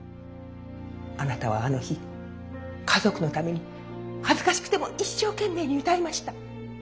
あなたはあの日家族のために恥ずかしくても一生懸命に歌いました。